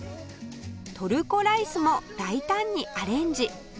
トルコライスも大胆にアレンジ